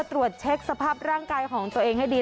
ตรวจเช็คสภาพร่างกายของตัวเองให้ดี